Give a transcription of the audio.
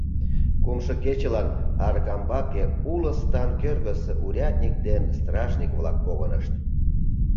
Кумшо кечылан Аркамбаке уло стан кӧргысӧ урядник ден стражник-влак погынышт.